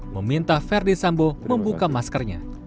meminta verdi sambo membuka maskernya